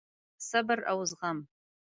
صبر او زغم: